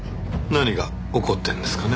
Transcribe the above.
何が起こってるんですかね？